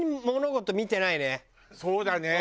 そうだね。